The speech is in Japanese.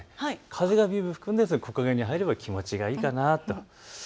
風が吹くので木陰に入れば気持ちがいいかなと。